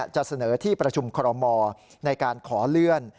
จะเสนอที่ประชุมคอรมอในการขอเลื่อน